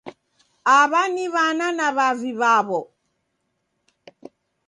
Aw'a ni w'ana na w'avi w'aw'o